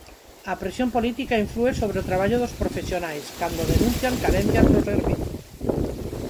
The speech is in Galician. "A presión política inflúe sobre o traballo dos profesionais" cando denuncian carencias no servizo.